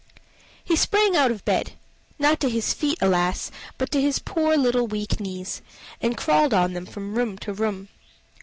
He sprang out of bed, not to his feet, alas! but to his poor little weak knees, and crawled on them from room to room.